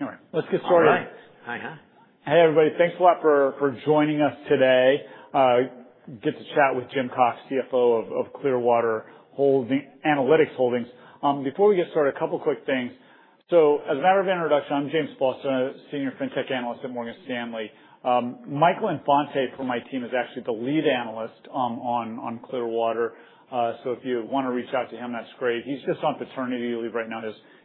Hey, everybody. Thanks a lot for joining us today. Get to chat with Jim Cox, CFO of Clearwater Analytics Holdings. Before we get started, a couple of quick things. So, as a matter of introduction, I'm James Faucette, a senior fintech analyst at Morgan Stanley. Michael Infante from my team is actually the lead analyst on Clearwater. So, if you want to reach out to him, that's great. He's just on paternity leave right now.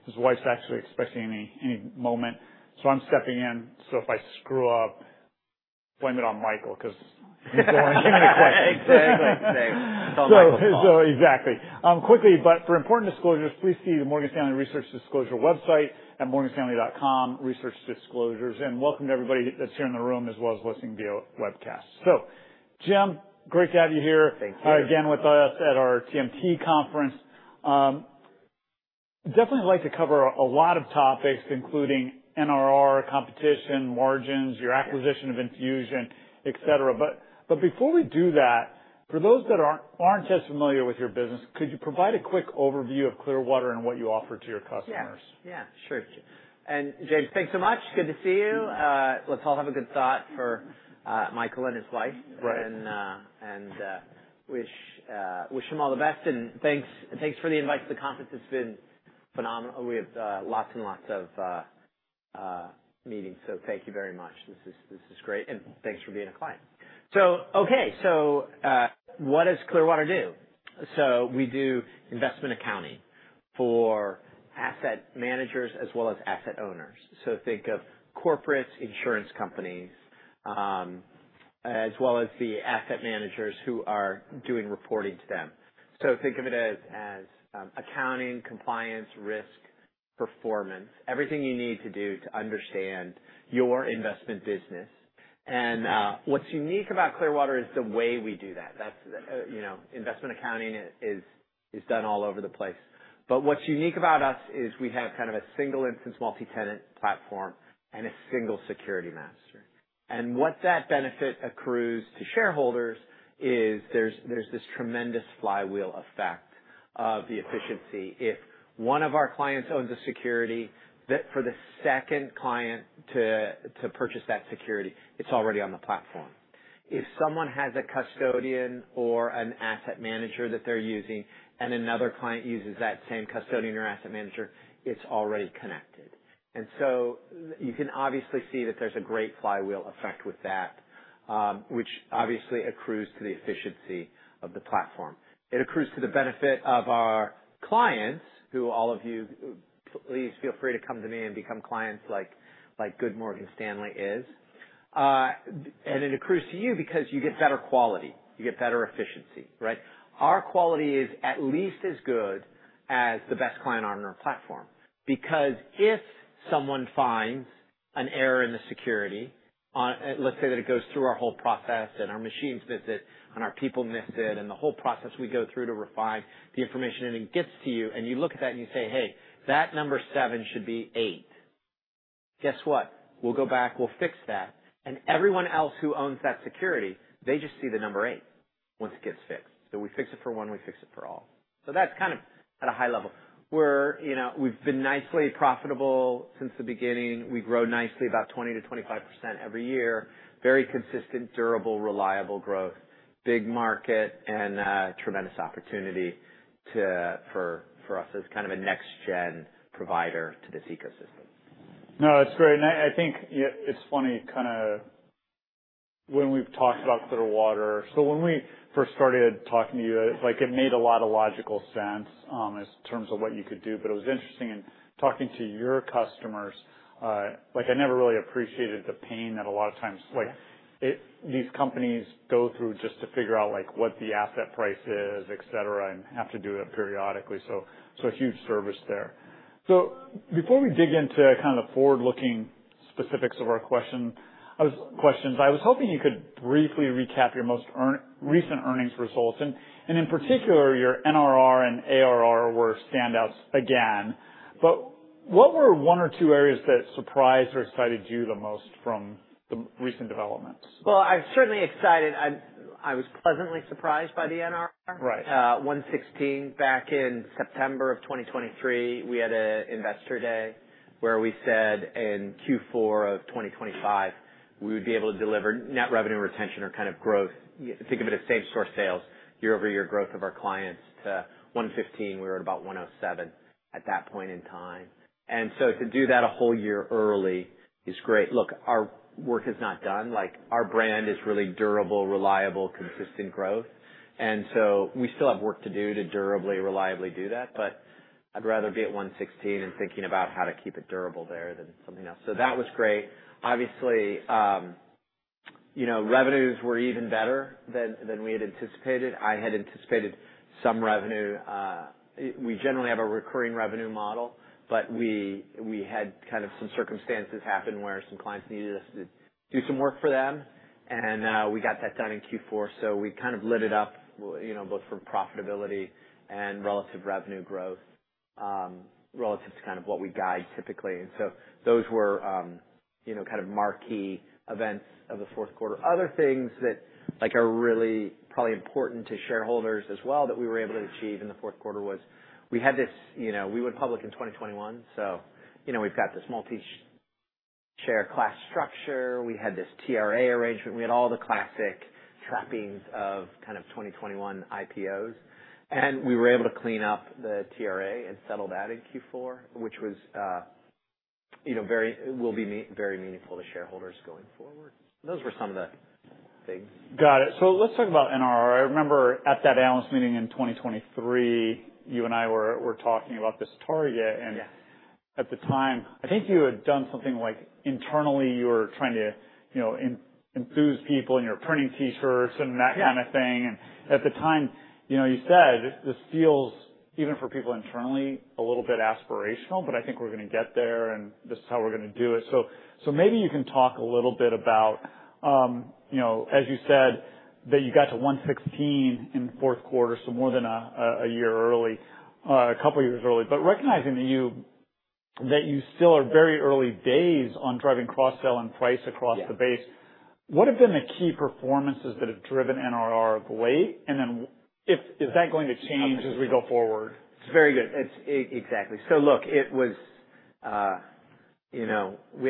His wife's actually expecting any moment. So, I'm stepping in. So, if I screw up, blame it on Michael because he's the one getting the questions. Exactly. Exactly. It's all Michael's fault. So, exactly. Quickly, but for important disclosures, please see the Morgan Stanley Research Disclosure website at morganstanley.com/researchdisclosures. And welcome to everybody that's here in the room as well as listening via webcast. So, Jim, great to have you here. Thank you. Again with us at our TMT conference. Definitely like to cover a lot of topics, including NRR, competition, margins, your acquisition of Enfusion, etc. But before we do that, for those that aren't as familiar with your business, could you provide a quick overview of Clearwater and what you offer to your customers? Yeah. Yeah. Sure. And James, thanks so much. Good to see you. Let's all have a good thought for Michael and his wife. Right. And wish him all the best. And thanks for the invite to the conference. It's been phenomenal. We have lots and lots of meetings. So, thank you very much. This is great. And thanks for being a client. So, okay. So, what does Clearwater do? So, we do investment accounting for asset managers as well as asset owners. So, think of corporate insurance companies as well as the asset managers who are doing reporting to them. So, think of it as accounting, compliance, risk, performance, everything you need to do to understand your investment business. And what's unique about Clearwater is the way we do that. Investment accounting is done all over the place. But what's unique about us is we have kind of a single instance multi-tenant platform and a single security master. And what that benefit accrues to shareholders is there's this tremendous flywheel effect of the efficiency. If one of our clients owns a security, for the second client to purchase that security, it's already on the platform. If someone has a custodian or an asset manager that they're using and another client uses that same custodian or asset manager, it's already connected. And so, you can obviously see that there's a great flywheel effect with that, which obviously accrues to the efficiency of the platform. It accrues to the benefit of our clients, who all of you, please feel free to come to me and become clients like good Morgan Stanley is. And it accrues to you because you get better quality. You get better efficiency, right? Our quality is at least as good as the best client on our platform because if someone finds an error in the security, let's say that it goes through our whole process and our machines miss it and our people miss it and the whole process we go through to refine the information and it gets to you and you look at that and you say, "Hey, that number seven should be eight." Guess what? We'll go back, we'll fix that, and everyone else who owns that security, they just see the number eight once it gets fixed, so we fix it for one, we fix it for all, so that's kind of at a high level. We've been nicely profitable since the beginning. We grow nicely about 20%-25% every year. Very consistent, durable, reliable growth, big market, and tremendous opportunity for us as kind of a next-gen provider to this ecosystem. No, that's great. And I think it's funny kind of when we've talked about Clearwater. So, when we first started talking to you, it made a lot of logical sense in terms of what you could do. But it was interesting in talking to your customers. I never really appreciated the pain that a lot of times these companies go through just to figure out what the asset price is, etc., and have to do it periodically. So, it's a huge service there. So, before we dig into kind of the forward-looking specifics of our questions, I was hoping you could briefly recap your most recent earnings results. And in particular, your NRR and ARR were standouts again. But what were one or two areas that surprised or excited you the most from the recent developments? Well, I was certainly excited. I was pleasantly surprised by the NRR. Right. 116 back in September of 2023, we had an investor day where we said in Q4 of 2025, we would be able to deliver net revenue retention or kind of growth. Think of it as same-store sales, year-over-year growth of our clients to 115. We were at about 107 at that point in time. And so, to do that a whole year early is great. Look, our work is not done. Our brand is really durable, reliable, consistent growth. And so, we still have work to do to durably, reliably do that. But I'd rather be at 116 and thinking about how to keep it durable there than something else. So, that was great. Obviously, revenues were even better than we had anticipated. I had anticipated some revenue. We generally have a recurring revenue model, but we had kind of some circumstances happen where some clients needed us to do some work for them, and we got that done in Q4, so we kind of lit it up both from profitability and relative revenue growth relative to kind of what we guide typically, and so those were kind of marquee events of the fourth quarter. Other things that are really probably important to shareholders as well that we were able to achieve in the fourth quarter was this: we went public in 2021. We've got this multi-share class structure. We had this TRA arrangement. We had all the classic trappings of kind of 2021 IPOs, and we were able to clean up the TRA and settle that in Q4, which will be very meaningful to shareholders going forward. Those were some of the things. Got it. So, let's talk about NRR. I remember at that analyst meeting in 2023, you and I were talking about this target. And at the time, I think you had done something like internally, you were trying to enthuse people by printing T-shirts and that kind of thing. And at the time, you said this feels, even for people internally, a little bit aspirational, but I think we're going to get there and this is how we're going to do it. So, maybe you can talk a little bit about, as you said, that you got to 116 in fourth quarter, so more than a year early, a couple of years early. But recognizing that you still are very early days on driving cross-sell and price across the base, what have been the key performances that have driven NRR of late? Is that going to change as we go forward? It's very good. Exactly. So, look, we have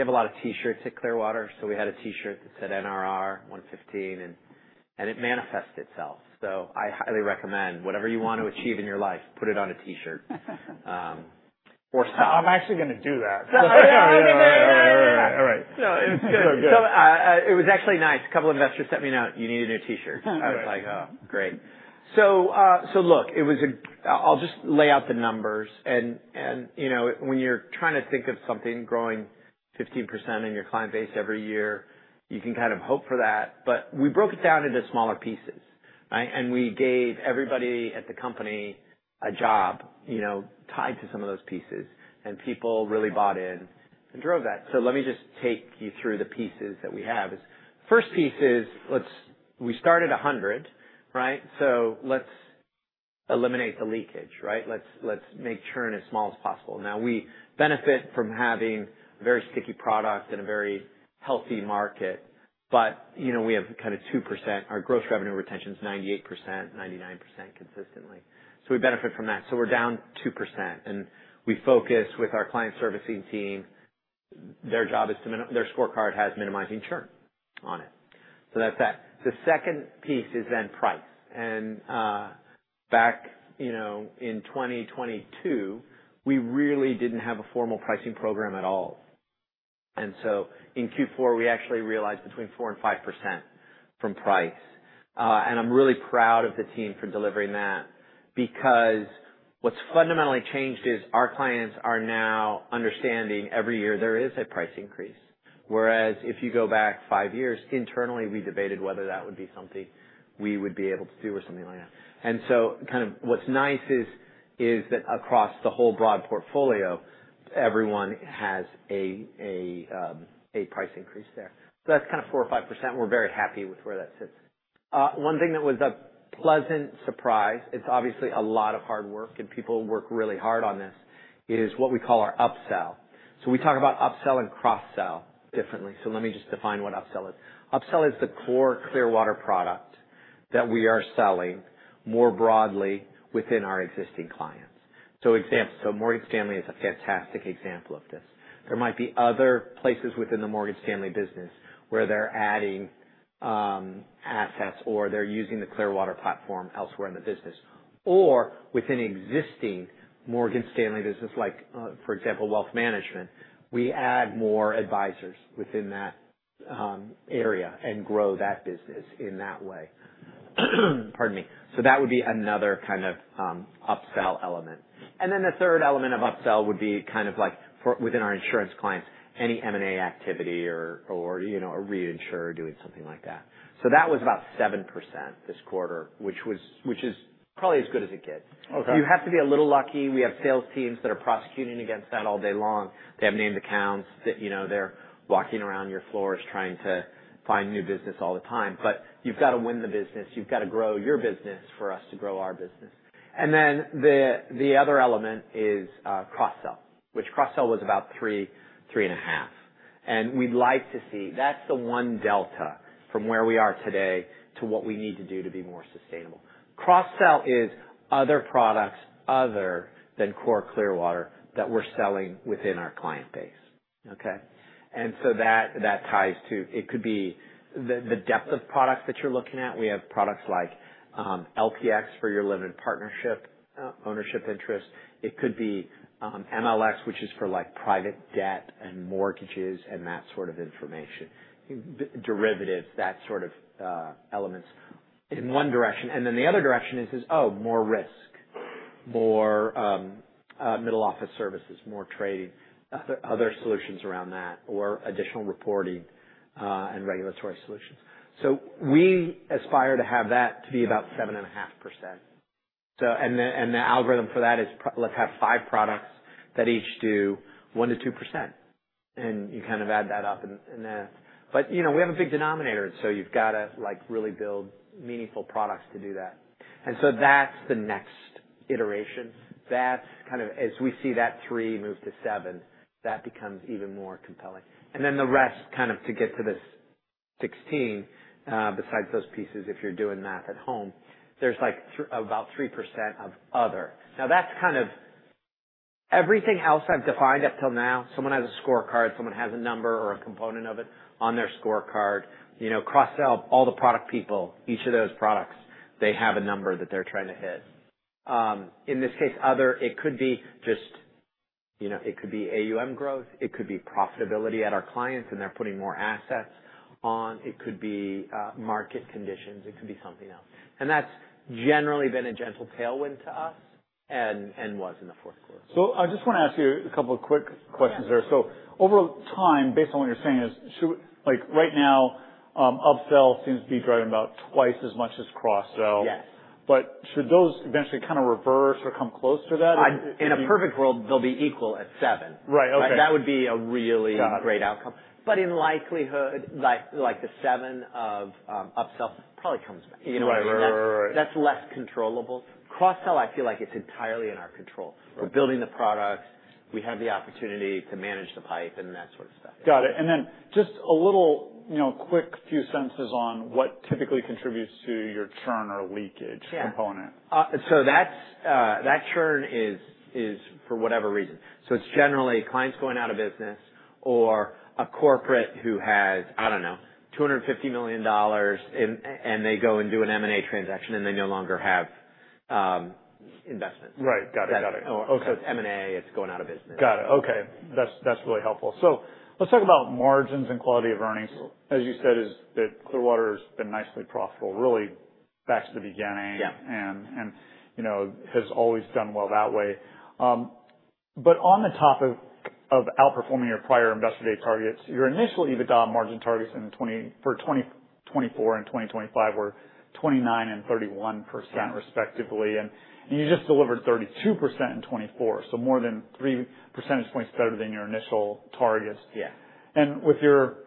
a lot of T-shirts at Clearwater. So, we had a T-shirt that said NRR 115, and it manifested itself. So, I highly recommend whatever you want to achieve in your life, put it on a T-shirt. Or stop. I'm actually going to do that. All right. All right. No, it was good. It's so good. It was actually nice. A couple of investors sent me an, "You need a new T-shirt." I was like, "Oh, great," so look, I'll just lay out the numbers, and when you're trying to think of something growing 15% in your client base every year, you can kind of hope for that, but we broke it down into smaller pieces, and we gave everybody at the company a job tied to some of those pieces, and people really bought in and drove that, so let me just take you through the pieces that we have. First piece is we started 100, right? So, let's eliminate the leakage, right? Let's make churn as small as possible. Now, we benefit from having a very sticky product and a very healthy market, but we have kind of 2%. Our gross revenue retention is 98%, 99% consistently, so we benefit from that. We're down 2%. We focus with our client servicing team. Their scorecard has minimizing churn on it. That's that. The second piece is then price. Back in 2022, we really didn't have a formal pricing program at all. In Q4, we actually realized between 4% and 5% from price. I'm really proud of the team for delivering that because what's fundamentally changed is our clients are now understanding every year there is a price increase. Whereas if you go back five years, internally, we debated whether that would be something we would be able to do or something like that. Kind of what's nice is that across the whole broad portfolio, everyone has a price increase there. That's kind of 4%-5%. We're very happy with where that sits. One thing that was a pleasant surprise, it's obviously a lot of hard work, and people work really hard on this, is what we call our upsell. So, we talk about upsell and cross-sell differently. So, let me just define what upsell is. Upsell is the core Clearwater product that we are selling more broadly within our existing clients. So, Morgan Stanley is a fantastic example of this. There might be other places within the Morgan Stanley business where they're adding assets or they're using the Clearwater platform elsewhere in the business. Or within existing Morgan Stanley business, like for example, wealth management, we add more advisors within that area and grow that business in that way. Pardon me. So, that would be another kind of upsell element. Then the third element of upsell would be kind of like within our insurance clients, any M&A activity or reinsure or doing something like that. So, that was about 7% this quarter, which is probably as good as it gets. You have to be a little lucky. We have sales teams that are prosecuting against that all day long. They have named accounts. They're walking around your floors trying to find new business all the time. But you've got to win the business. You've got to grow your business for us to grow our business. Then the other element is cross-sell, which cross-sell was about 3%-3.5%. And we'd like to see that's the one delta from where we are today to what we need to do to be more sustainable. Cross-sell is other products, other than core Clearwater that we're selling within our client base. Okay? And so that ties to it could be the depth of products that you're looking at. We have products like LPx for your limited partnership ownership interest. It could be MLx, which is for private debt and mortgages, and that sort of information, derivatives, that sort of elements in one direction. And then the other direction is, oh, more risk, more middle office services, more trading, other solutions around that, or additional reporting and regulatory solutions. So, we aspire to have that to be about 7.5%. And the algorithm for that is let's have five products that each do 1%-2%. And you kind of add that up and that. But we have a big denominator. So, you've got to really build meaningful products to do that. And so that's the next iteration. As we see that 3% move to 7%, that becomes even more compelling. Then the rest kind of to get to this 16, besides those pieces, if you're doing math at home, there's about 3% of other. Now, that's kind of everything else I've defined up till now. Someone has a score card. Someone has a number or a component of it on their score card. Cross-sell, all the product people, each of those products, they have a number that they're trying to hit. In this case, other, it could be just AUM growth. It could be profitability at our clients and they're putting more assets on. It could be market conditions. It could be something else. And that's generally been a gentle tailwind to us and was in the fourth quarter. So, I just want to ask you a couple of quick questions there. So, over time, based on what you're saying, right now, upsell seems to be driving about twice as much as cross-sell. But should those eventually kind of reverse or come close to that? In a perfect world, they'll be equal at seven. Right. Okay. That would be a really great outcome. But in all likelihood, the 70% of upsell probably comes back. Right. Right. Right. That's less controllable. Cross-sell, I feel like it's entirely in our control. We're building the products. We have the opportunity to manage the pipe and that sort of stuff. Got it. And then just a little quick few sentences on what typically contributes to your churn or leakage component. So, that churn is for whatever reason. So, it's generally clients going out of business or a corporate who has, I don't know, $250 million and they go and do an M&A transaction and they no longer have investments. Right. Got it. Got it. So, it's M&A. It's going out of business. Got it. Okay. That's really helpful. So, let's talk about margins and quality of earnings. As you said, Clearwater has been nicely profitable really back to the beginning and has always done well that way. But on the topic of outperforming your prior investor day targets, your initial EBITDA margin targets for 2024 and 2025 were 29% and 31% respectively. And you just delivered 32% in 2024. So, more than 3 percentage points better than your initial targets. And with your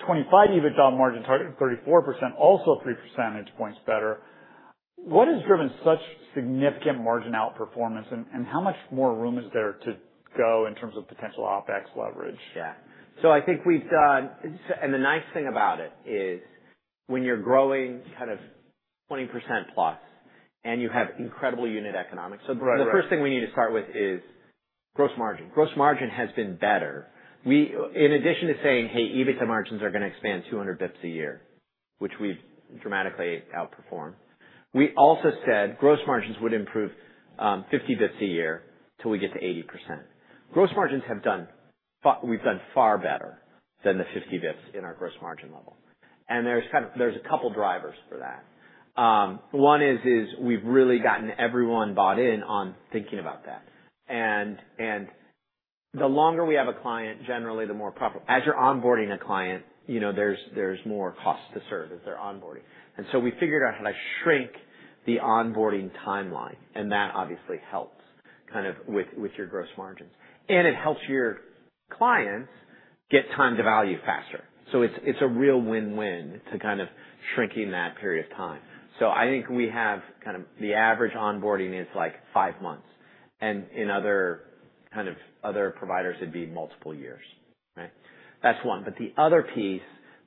2025 EBITDA margin target of 34%, also 3 percentage points better. What has driven such significant margin outperformance? And how much more room is there to go in terms of potential OpEx leverage? Yeah. So, I think we've done, and the nice thing about it is when you're growing kind of 20% plus and you have incredible unit economics. So, the first thing we need to start with is gross margin. Gross margin has been better. In addition to saying, "Hey, EBITDA margins are going to expand 200 basis points a year," which we've dramatically outperformed. We also said gross margins would improve 50 basis points a year till we get to 80%. Gross margins, we've done far better than the 50 basis points in our gross margin level. And there's a couple of drivers for that. One is we've really gotten everyone bought in on thinking about that. And the longer we have a client, generally, the more as you're onboarding a client, there's more cost to serve as they're onboarding. And so, we figured out how to shrink the onboarding timeline. And that obviously helps kind of with your gross margins. And it helps your clients get time to value faster. So, it's a real win-win to kind of shrinking that period of time. So, I think we have kind of the average onboarding is like five months. And in other kind of providers, it'd be multiple years. That's one. But the other piece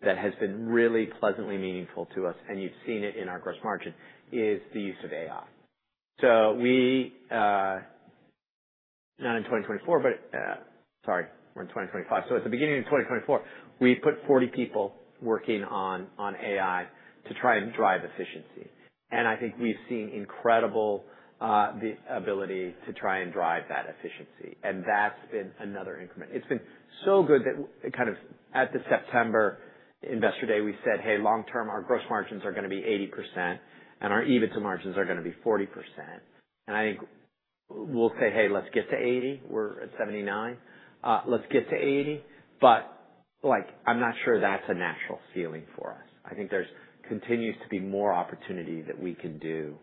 that has been really pleasantly meaningful to us, and you've seen it in our gross margin, is the use of AI. So, not in 2024, but sorry, we're in 2025. So, at the beginning of 2024, we put 40 people working on AI to try and drive efficiency. And I think we've seen incredible ability to try and drive that efficiency. And that's been another increment. It's been so good that kind of at the September investor day, we said, "Hey, long term, our gross margins are going to be 80% and our EBITDA margins are going to be 40%," and I think we'll say, "Hey, let's get to 80." We're at 79. Let's get to 80, but I'm not sure that's a natural feeling for us. I think there continues to be more opportunity that we can do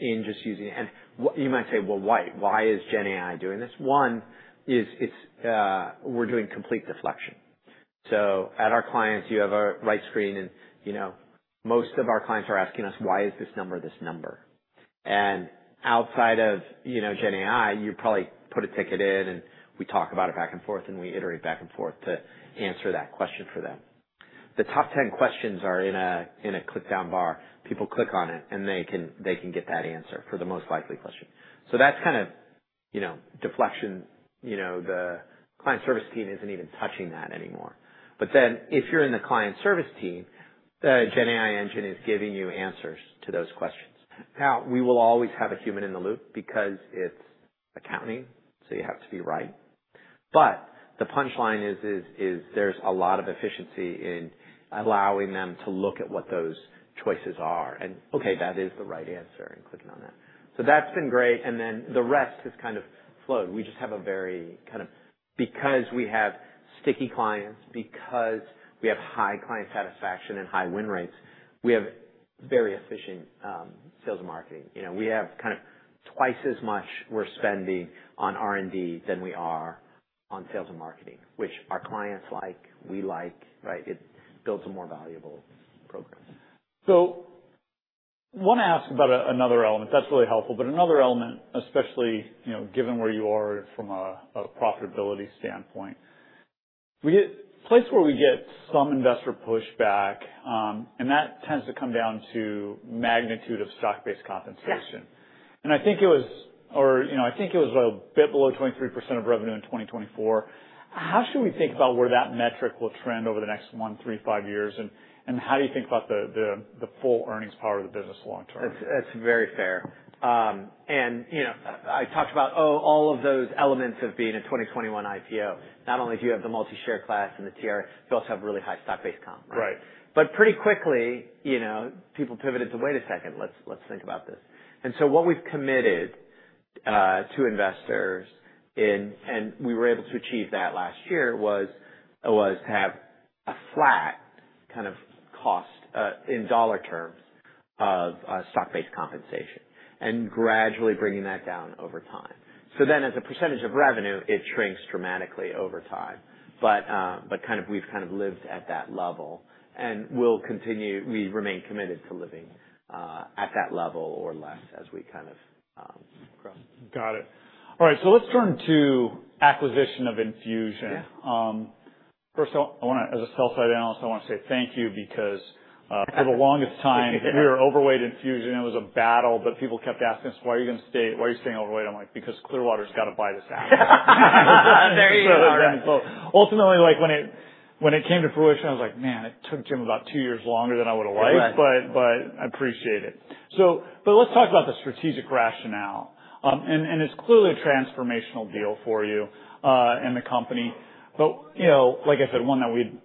in just using it, and you might say, "Well, why is Gen AI doing this?" One, we're doing complete deflection. So, at our clients, you have a right screen, and most of our clients are asking us, "Why is this number this number?," and outside of Gen AI, you probably put a ticket in and we talk about it back and forth and we iterate back and forth to answer that question for them. The top 10 questions are in a drop-down bar. People click on it and they can get that answer for the most likely question. So, that's kind of deflection. The client service team isn't even touching that anymore. But then if you're in the client service team, the Gen AI engine is giving you answers to those questions. Now, we will always have a human in the loop because it's accounting. So, you have to be right. But the punchline is there's a lot of efficiency in allowing them to look at what those choices are. And okay, that is the right answer and clicking on that. So, that's been great. And then the rest has kind of flowed. We just have a very kind of because we have sticky clients, because we have high client satisfaction and high win rates, we have very efficient sales and marketing. We have kind of twice as much we're spending on R&D than we are on sales and marketing, which our clients like, we like, right? It builds a more valuable program. I want to ask about another element. That's really helpful. Another element, especially given where you are from a profitability standpoint, a place where we get some investor pushback, and that tends to come down to magnitude of stock-based compensation. And I think it was a bit below 23% of revenue in 2024. How should we think about where that metric will trend over the next one, three, five years? And how do you think about the full earnings power of the business long term? That's very fair. And I talked about all of those elements of being a 2021 IPO. Not only do you have the multi-share class and the TR, you also have really high stock-based comp. Right? But pretty quickly, people pivoted to, "Wait a second. Let's think about this." And so, what we've committed to investors in, and we were able to achieve that last year, was to have a flat kind of cost in dollar terms of stock-based compensation and gradually bringing that down over time. So then, as a percentage of revenue, it shrinks dramatically over time. But kind of we've kind of lived at that level and we remain committed to living at that level or less as we kind of grow. Got it. All right. So, let's turn to acquisition of Enfusion. First, as a sell-side analyst, I want to say thank you because for the longest time, we were overweight Enfusion. It was a battle, but people kept asking us, "Why are you going to stay? Why are you staying overweight?" I'm like, "Because Clearwater's got to buy this out. Very hard. Ultimately, when it came to fruition, I was like, "Man, it took Jim about two years longer than I would have liked, but I appreciate it." But let's talk about the strategic rationale. And it's clearly a transformational deal for you and the company. But like I said, one that we'd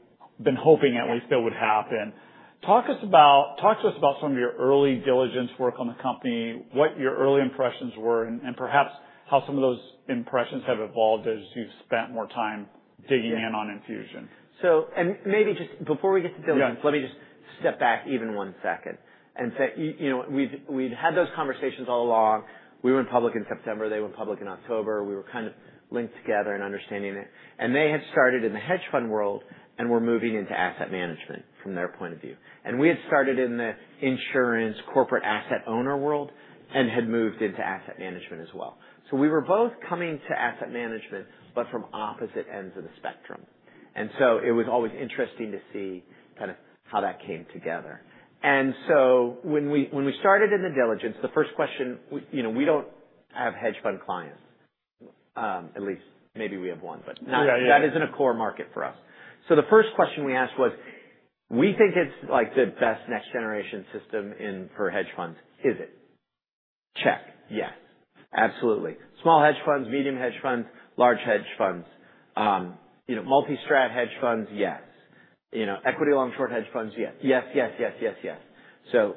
been hoping at least that would happen. Talk to us about some of your early diligence work on the company, what your early impressions were, and perhaps how some of those impressions have evolved as you've spent more time digging in on Enfusion. So, and maybe just before we get to diligence, let me just step back even one second and say we'd had those conversations all along. We went public in September. They went public in October. We were kind of linked together and understanding it. And they had started in the hedge fund world and were moving into asset management from their point of view. And we had started in the insurance corporate asset owner world and had moved into asset management as well. So, we were both coming to asset management, but from opposite ends of the spectrum. And so, it was always interesting to see kind of how that came together. And so, when we started in the diligence, the first question, we don't have hedge fund clients. At least maybe we have one, but that isn't a core market for us. So, the first question we asked was, "We think it's the best next generation system for hedge funds. Is it?" Check. Yes. Absolutely. Small hedge funds, medium hedge funds, large hedge funds, multi-strategy hedge funds, yes. Equity long-short hedge funds, yes. Yes, yes, yes, yes, yes. So,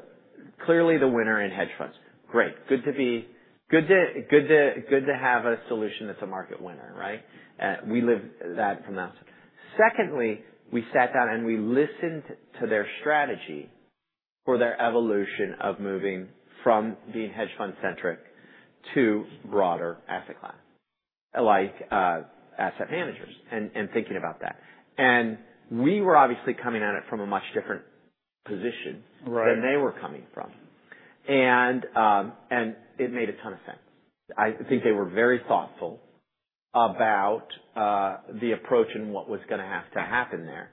clearly the winner in hedge funds. Great. Good to have a solution that's a market winner, right? We live that from that side. Secondly, we sat down and we listened to their strategy or their evolution of moving from being hedge fund-centric to broader asset class, like asset managers, and thinking about that. And we were obviously coming at it from a much different position than they were coming from. And it made a ton of sense. I think they were very thoughtful about the approach and what was going to have to happen there.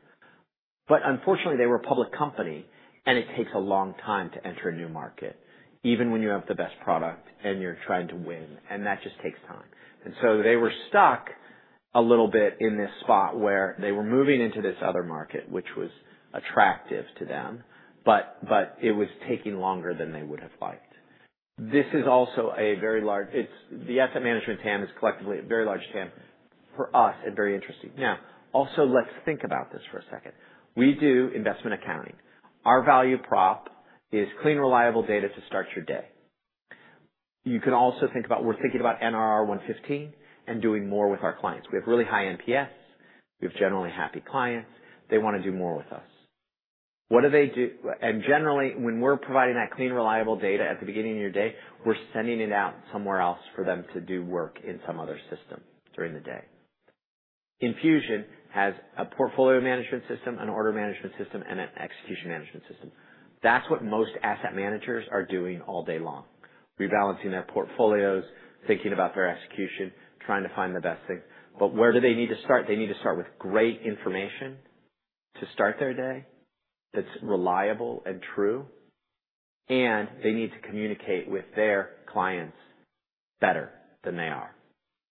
But unfortunately, they were a public company and it takes a long time to enter a new market, even when you have the best product and you're trying to win. And that just takes time. And so, they were stuck a little bit in this spot where they were moving into this other market, which was attractive to them, but it was taking longer than they would have liked. This is also a very large, the asset management TAM is collectively a very large TAM. For us, it's very interesting. Now, also, let's think about this for a second. We do investment accounting. Our value prop is clean, reliable data to start your day. You can also think about we're thinking about NRR 115 and doing more with our clients. We have really high NPS. We have generally happy clients. They want to do more with us. What do they do? And generally, when we're providing that clean, reliable data at the beginning of your day, we're sending it out somewhere else for them to do work in some other system during the day. Enfusion has a portfolio management system, an order management system, and an execution management system. That's what most asset managers are doing all day long, rebalancing their portfolios, thinking about their execution, trying to find the best thing, but where do they need to start? They need to start with great information to start their day that's reliable and true, and they need to communicate with their clients better than they are.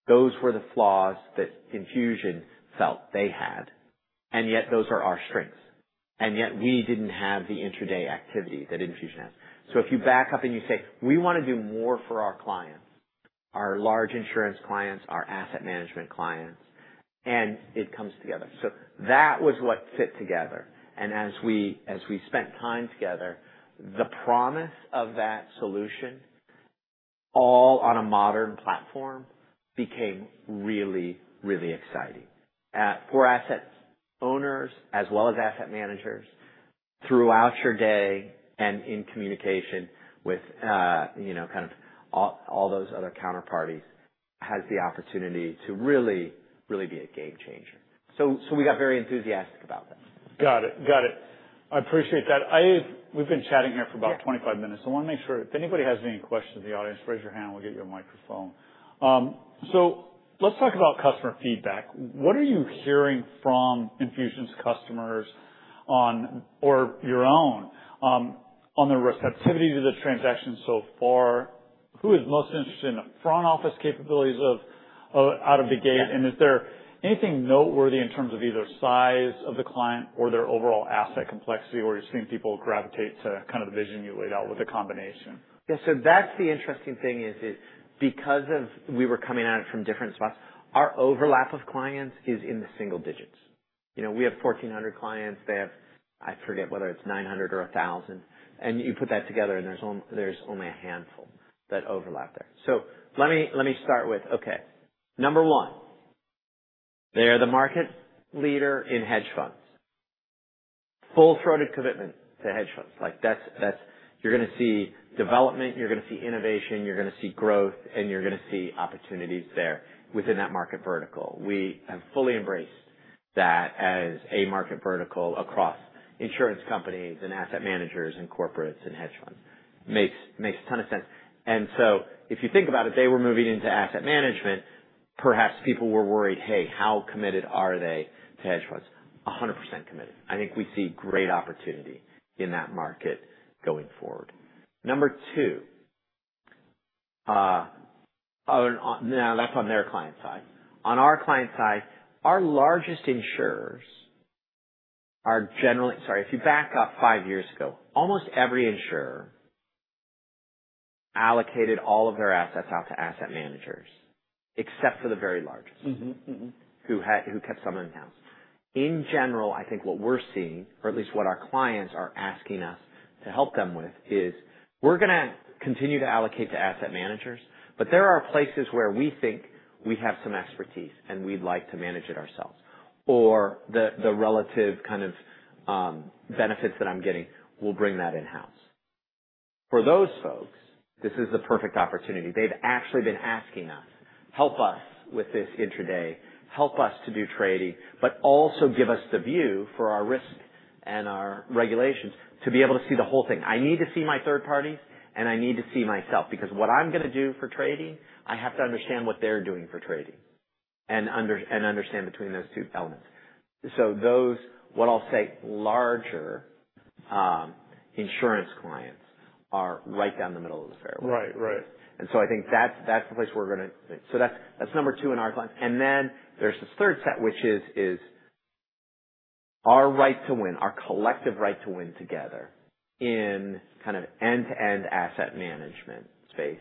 Those were the flaws that Enfusion felt they had, and yet those are our strengths, and yet we didn't have the intraday activity that Enfusion has. So, if you back up and you say, "We want to do more for our clients, our large insurance clients, our asset management clients," and it comes together. So, that was what fit together. And as we spent time together, the promise of that solution all on a modern platform became really, really exciting. For asset owners as well as asset managers, throughout your day and in communication with kind of all those other counterparties has the opportunity to really, really be a game changer. So, we got very enthusiastic about that. Got it. Got it. I appreciate that. We've been chatting here for about 25 minutes. I want to make sure if anybody has any questions in the audience, raise your hand and we'll get you a microphone. So, let's talk about customer feedback. What are you hearing from Enfusion's customers or your own on the receptivity to the transaction so far? Who is most interested in the front office capabilities out of the gate? And is there anything noteworthy in terms of either size of the client or their overall asset complexity where you've seen people gravitate to kind of the vision you laid out with the combination? Yeah. So, that's the interesting thing is because we were coming at it from different spots, our overlap of clients is in the single digits. We have 1,400 clients. They have, I forget whether it's 900 or 1,000. And you put that together and there's only a handful that overlap there. So, let me start with, okay, number one, they are the market leader in hedge funds. Full-throated commitment to hedge funds. You're going to see development. You're going to see innovation. You're going to see growth. And you're going to see opportunities there within that market vertical. We have fully embraced that as a market vertical across insurance companies and asset managers and corporates and hedge funds. Makes a ton of sense. And so, if you think about it, they were moving into asset management. Perhaps people were worried, "Hey, how committed are they to hedge funds?" 100% committed. I think we see great opportunity in that market going forward. Number two, now that's on their client side. On our client side, our largest insurers are generally, if you back up five years ago, almost every insurer allocated all of their assets out to asset managers except for the very largest who kept some in-house. In general, I think what we're seeing, or at least what our clients are asking us to help them with is we're going to continue to allocate to asset managers, but there are places where we think we have some expertise and we'd like to manage it ourselves. Or the relative kind of benefits that I'm getting, we'll bring that in-house. For those folks, this is the perfect opportunity. They've actually been asking us, "Help us with this intraday. Help us to do trading, but also give us the view for our risk and our regulations to be able to see the whole thing. I need to see my third parties and I need to see myself because what I'm going to do for trading, I have to understand what they're doing for trading and understand between those two elements." So, those what I'll say larger insurance clients are right down the middle of the fairway. Right, right. I think that's the place we're going to, so that's number two in our clients. There's this third set, which is our right to win, our collective right to win together in kind of end-to-end asset management space,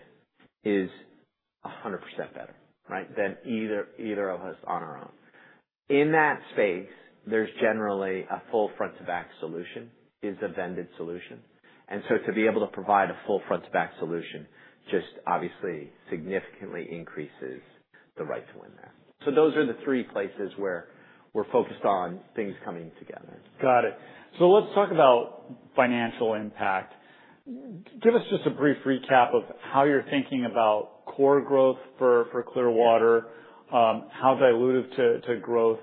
is 100% better, right, than either of us on our own. In that space, there's generally a full front-to-back solution, is a vended solution. To be able to provide a full front-to-back solution just obviously significantly increases the right to win there. Those are the three places where we're focused on things coming together. Got it. So, let's talk about financial impact. Give us just a brief recap of how you're thinking about core growth for Clearwater, how dilutive to growth,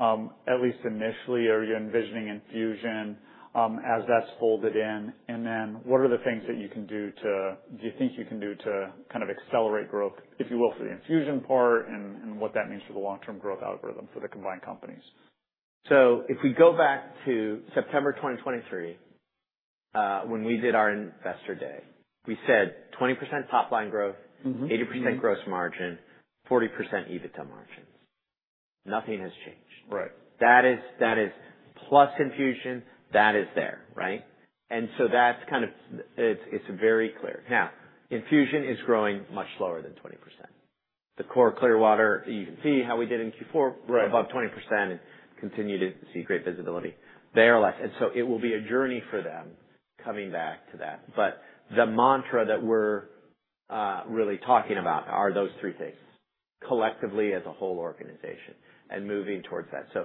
at least initially, are you envisioning Enfusion as that's folded in? And then what are the things that you can do to, do you think you can do to kind of accelerate growth, if you will, for the Enfusion part and what that means for the long-term growth algorithm for the combined companies? So, if we go back to September 2023, when we did our investor day, we said 20% top-line growth, 80% gross margin, 40% EBITDA margins. Nothing has changed. That is plus Enfusion. That is there, right? And so, that's kind of, it's very clear. Now, Enfusion is growing much slower than 20%. The core Clearwater, you can see how we did in Q4, above 20% and continue to see great visibility. They are less. And so, it will be a journey for them coming back to that. But the mantra that we're really talking about are those three things collectively as a whole organization and moving towards that. So,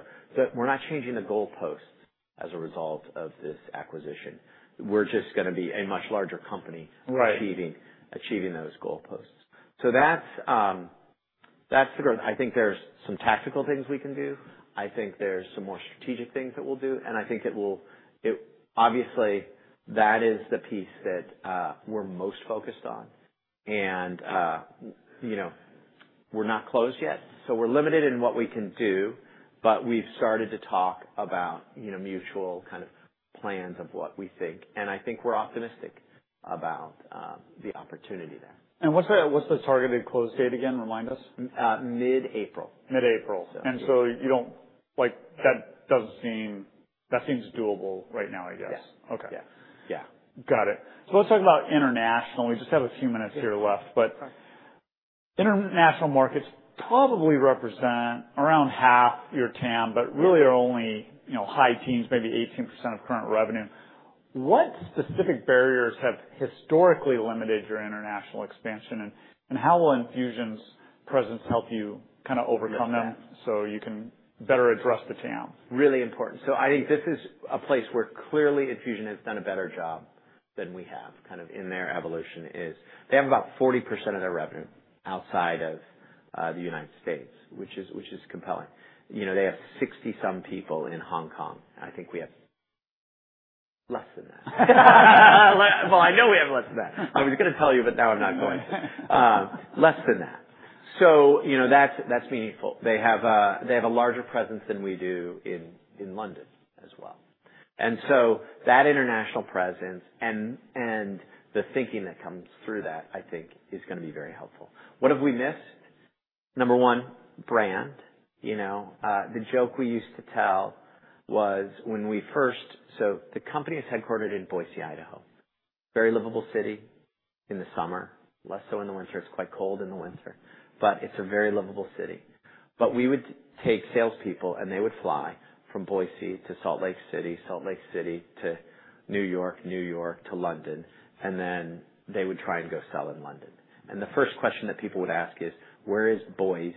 we're not changing the goalposts as a result of this acquisition. We're just going to be a much larger company achieving those goalposts. So, that's the growth. I think there's some tactical things we can do. I think there's some more strategic things that we'll do. And I think it will obviously, that is the piece that we're most focused on. And we're not closed yet. So, we're limited in what we can do, but we've started to talk about mutual kind of plans of what we think. And I think we're optimistic about the opportunity there. What's the targeted close date again? Remind us. Mid-April. Mid-April. That does seem doable right now, I guess. Yes. Okay. Yeah. Got it. So, let's talk about international. We just have a few minutes here left, but international markets probably represent around half your TAM, but really are only high teens, maybe 18% of current revenue. What specific barriers have historically limited your international expansion? And how will Enfusion's presence help you kind of overcome them so you can better address the TAM? Really important. So, I think this is a place where clearly Enfusion has done a better job than we have kind of in their evolution is they have about 40% of their revenue outside of the United States, which is compelling. They have 60-some people in Hong Kong. I think we have less than that. Well, I know we have less than that. I was going to tell you, but now I'm not going to. Less than that. So, that's meaningful. They have a larger presence than we do in London as well. And so, that international presence and the thinking that comes through that, I think, is going to be very helpful. What have we missed? Number one, brand. The joke we used to tell was when we first so, the company is headquartered in Boise, Idaho. Very livable city in the summer. Less so in the winter. It's quite cold in the winter, but it's a very livable city, but we would take salespeople and they would fly from Boise to Salt Lake City, Salt Lake City to New York, New York to London, and then they would try and go sell in London, and the first question that people would ask is, "Where is Boise,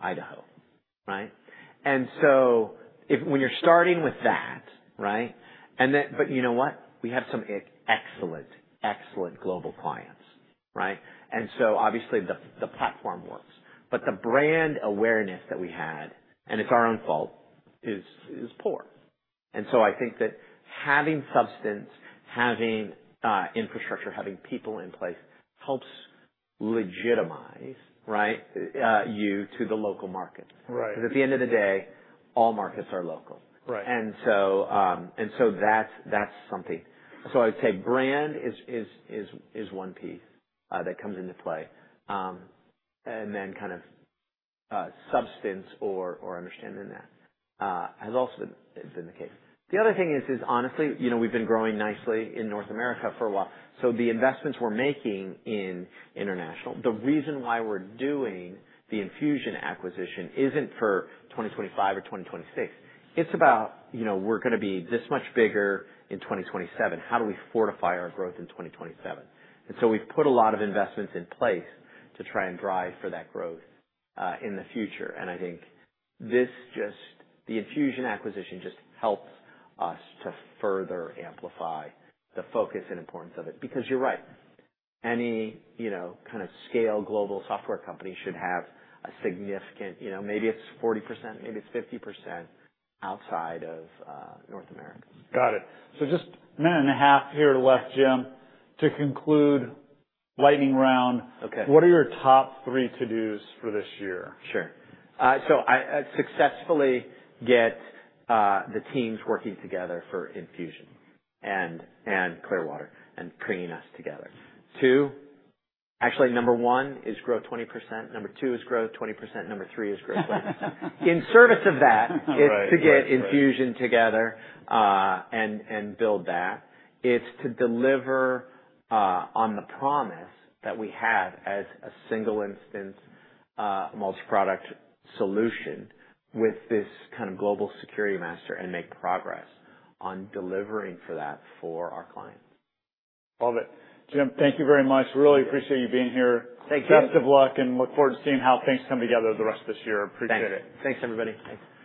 Idaho?", right?, and so when you're starting with that, right?, but you know what? We have some excellent, excellent global clients, right?, and so obviously the platform works, but the brand awareness that we had, and it's our own fault, is poor, and so I think that having substance, having infrastructure, having people in place helps legitimize, right, you to the local markets, because at the end of the day, all markets are local, and so that's something, so I would say brand is one piece that comes into play. And then kind of substantive understanding that has also been the case. The other thing is, honestly, we've been growing nicely in North America for a while. So, the investments we're making in international, the reason why we're doing the Enfusion acquisition isn't for 2025 or 2026. It's about we're going to be this much bigger in 2027. How do we fortify our growth in 2027? And so, we've put a lot of investments in place to try and drive for that growth in the future. And I think this just the Enfusion acquisition just helps us to further amplify the focus and importance of it. Because you're right. Any kind of scaled global software company should have a significant maybe it's 40%, maybe it's 50% outside of North America. Got it. So, just a minute and a half here left, Jim, to conclude lightning round. What are your top three to-dos for this year? Sure. So, successfully get the teams working together for Enfusion and Clearwater and bringing us together. Two, actually, number one is grow 20%. Number two is grow 20%. Number three is grow 20%. In service of that, it's to get Enfusion together and build that. It's to deliver on the promise that we had as a single instance multi-product solution with this kind of global Security Master and make progress on delivering for that for our clients. Love it. Jim, thank you very much. Really appreciate you being here. Thank you. Best of luck and look forward to seeing how things come together the rest of this year. Appreciate it. Thanks. Thanks, everybody. Thanks.